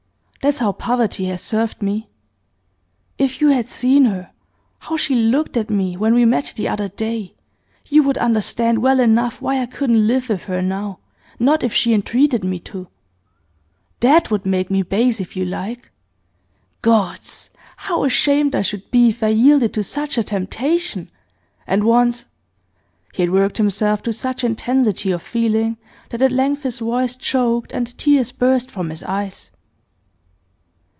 That's how poverty has served me. If you had seen her, how she looked at me, when we met the other day, you would understand well enough why I couldn't live with her now, not if she entreated me to. That would make me base if you like. Gods! how ashamed I should be if I yielded to such a temptation! And once ' He had worked himself to such intensity of feeling that at length his voice choked and tears burst from his eyes.